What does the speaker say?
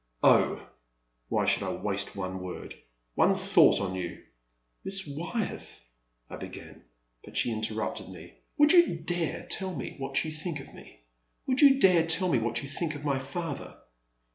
Oh ! Why should I waste one word — one thought on you !Miss Wyeth, —*' I began, but she interrupted me. Would you dare tell me what you think of me ?— ^Would you dare tell me what you think of my father?